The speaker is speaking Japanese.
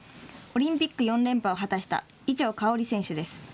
オリンピック４連覇を果たした伊調馨選手です。